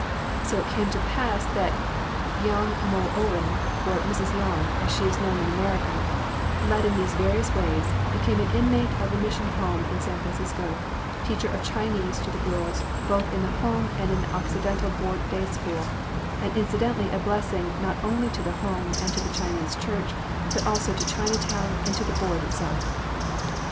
So it came to pass that Yeung Mo Owen, or Mrs. Yeung, as she is known in America, led in these various ways, became an inmate of the Mission Home in San Francisco, teacher of Chinese to the girls, both in the Home and in the Occidental Board Day School, and incidentally a blessing not only to the Home and to the Chinese Church, but also to Chinatown, and to the Board itself....